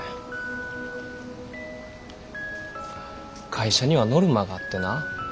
会社にはノルマがあってな